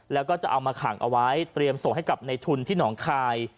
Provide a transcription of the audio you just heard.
แล้วก็จะเอามาขังเอาไว้เตรียมส่งให้กับในทุนที่หนองคาย